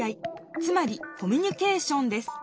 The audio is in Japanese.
つまり「コミュニケーション」です。